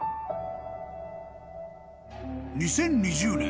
［２０２０年